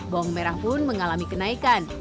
bawang merah pun mengalami kenaikan